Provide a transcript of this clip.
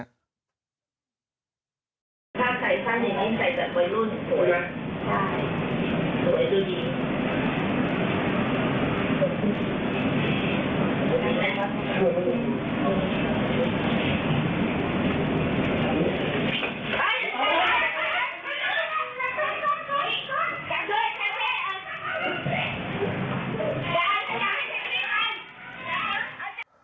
ถ้าใส่สั้นอย่างนี้ใส่แบบวัยรุ่นสวยนะ